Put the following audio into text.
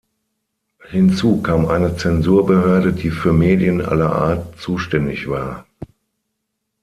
Hinzu kam eine Zensurbehörde, die für Medien aller Art zuständig war.